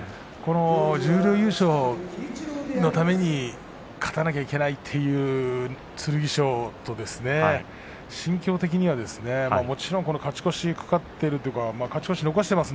十両優勝のために勝たなきゃいけないという剣翔と心境的にはもちろん勝ち越し懸かっているというか勝ち越し残しています。